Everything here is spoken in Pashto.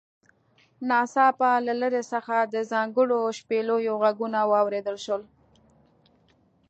ناڅاپه له لرې څخه د ځانګړو شپېلیو غږونه واوریدل شول